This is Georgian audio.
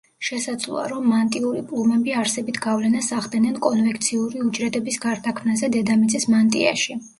შესაძლოა, რომ მანტიური პლუმები არსებით გავლენას ახდენენ კონვექციური უჯრედების გარდაქმნაზე დედამიწის მანტიაში.